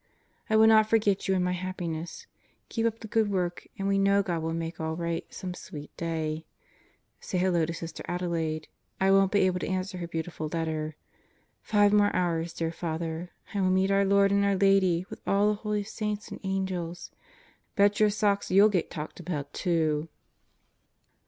I will not forget you in my happi ness. Keep up the good work and we know God will make all right some sweet day. Say Hello to Sr. Adelaide. I won't be able to answer her beautiful letter. Five more hours, dear Fr., I will meet our Lord and our Lady with all the Holy Saints and Angels. Bet your socks you'll get talked about too.